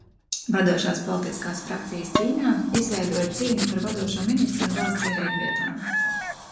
Vadošās politiskās frakcijas Ķīnā izveidoja cīņu par vadošo ministru un valsts ierēdņu vietām.